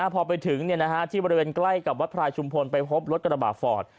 พอไปถึงที่บริเวณใกล้กับวัดพรายชุมพลไปพบรถกระบาดฟอร์ด